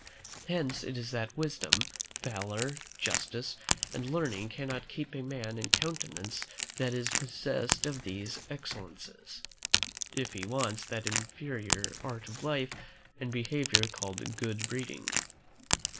Hence it is that wisdom, valour, justice, and learning cannot keep a man in countenance that is possessed of these excellences, if he wants that inferior art of life and behaviour called good breeding.